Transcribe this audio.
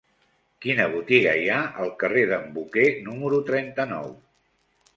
Quina botiga hi ha al carrer d'en Boquer número trenta-nou?